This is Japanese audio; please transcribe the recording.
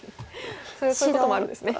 そういうこともあるんですね。